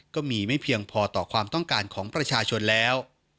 ก็มีไม่เพียงพอต่อความต้องการของประชาชนแล้ว